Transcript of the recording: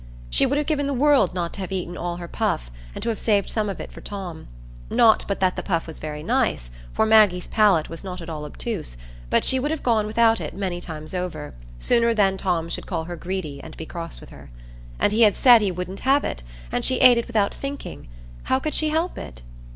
She would have given the world not to have eaten all her puff, and to have saved some of it for Tom. Not but that the puff was very nice, for Maggie's palate was not at all obtuse, but she would have gone without it many times over, sooner than Tom should call her greedy and be cross with her. And he had said he wouldn't have it, and she ate it without thinking; how could she help it?